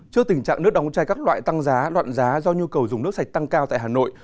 trước tình trạng nước đóng chai các loại tăng giá loạn giá do nhu cầu dùng nước sạch tăng cao tại hà nội